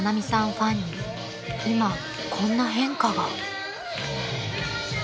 ファンに今こんな変化が］